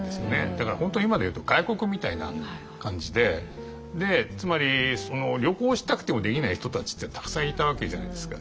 だから本当に今でいうと外国みたいな感じで。でつまり旅行したくてもできない人たちってたくさんいたわけじゃないですか。